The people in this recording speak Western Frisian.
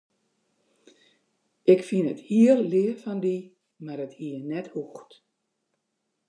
Ik fyn it hiel leaf fan dy, mar it hie net hoegd.